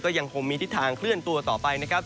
ยังคงมีทิศทางเคลื่อนตัวต่อไปนะครับ